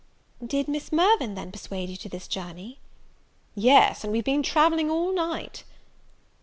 "Did Miss Mirvan, then, persuade you to this journey?" "Yes, and we've been travelling all night."